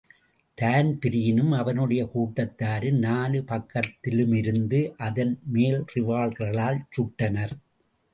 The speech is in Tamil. தான்பிரீனும் அவனுடைய கூட்டத்தாரும் நாலு பக்கத்திலுமிருந்து அதன் மேல் ரிவால்வர்களால் சுட்டனர்.